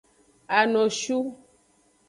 Anoshu.